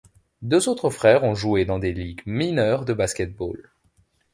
Deux autres frères ont joué dans des ligues mineures de basket-ball.